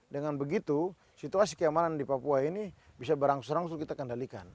dengan begitu situasi keamanan di papua ini bisa berangsur langsung kita kendalikan